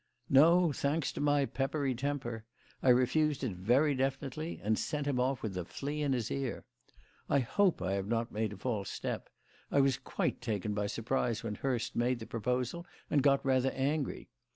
"No, thanks to my peppery temper. I refused it very definitely, and sent him off with a flea in his ear. I hope I have not made a false step; I was quite taken by surprise when Hurst made the proposal and got rather angry.